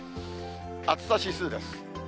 暑さ指数です。